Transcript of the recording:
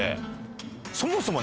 そもそも。